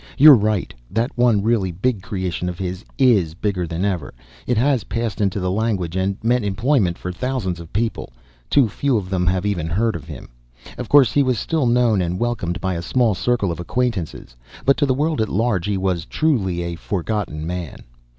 You're right, that one really big creation of his is bigger than ever. It has passed into the language, and meant employment for thousands of people. Too few of them have even heard of him. Of course, he was still known and welcomed by a small circle of acquaintances, but to the world at large he was truly a "forgotten man."